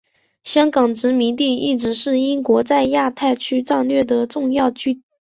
香港殖民地一直是英国在亚太区战略的重要据点。